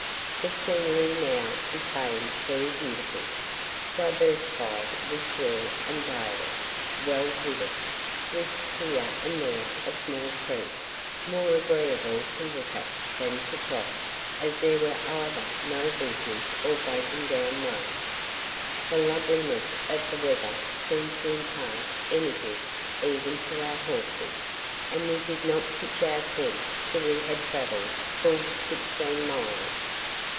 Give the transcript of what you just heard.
The scenery now became very beautiful, diversified with hill and dale, well wooded, with here and there a small creek, more agreeable to look at than to cross, as there were either no bridges or broken down ones. The loveliness of the weather seemed to impart energy even to our horses; and we did not pitch our tents till we had travelled full sixteen miles.